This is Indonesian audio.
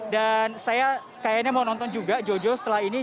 dan saya kayaknya mau nonton juga jojo setelah ini